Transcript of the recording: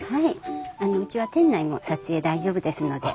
うちは店内も撮影大丈夫ですので。